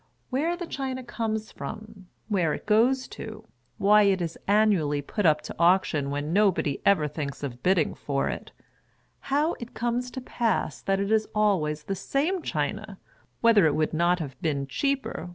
Where the china comes from, where it goes to, why it is annually put up to auction when nobody ever thinks of bidding for it, how it comes to pass that it is always the same china, whether it would not have been cheaper, 434 HOUSEHOLD WORDS.